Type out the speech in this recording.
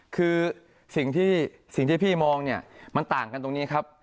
คือสิ่งที่พี่มองเนี่ยมันต่างกันตรงนี้ครับ